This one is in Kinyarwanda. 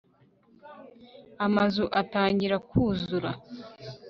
amazu atangira kuzura